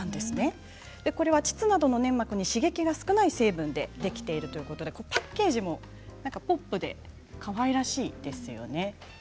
これは膣などの粘膜に刺激が少ない成分でできているということでパッケージもポップでかわいらしいですよね。